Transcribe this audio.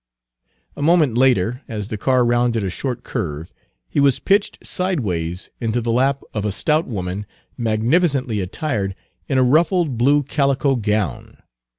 A moment later, as the car rounded a short curve, he was pitched sidewise into the lap of a stout woman magnificently attired in a ruffled blue calico gown.